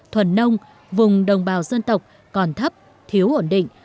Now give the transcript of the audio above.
thuần nông vùng đồng bào dân tộc còn thấp thiếu ổn định